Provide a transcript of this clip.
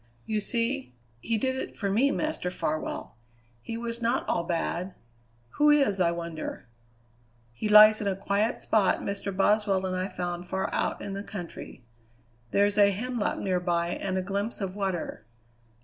"You see he did it for me, Master Farwell. He was not all bad. Who is, I wonder? He lies in a quiet spot Mr. Boswell and I found far out in the country. There's a hemlock nearby and a glimpse of water.